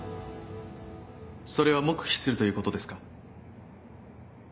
それは黙秘するということですか。